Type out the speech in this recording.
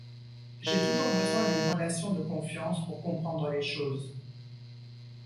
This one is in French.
J’ai toujours besoin d’une relation de confiance pour comprendre les choses.